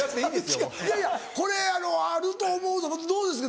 いやいやこれあると思うぞどうですか？